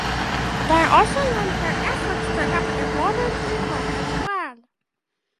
They also lent their efforts to help the golden eagle as well.